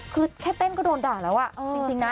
คือแค่เต้นก็โดนด่าแล้วจริงนะ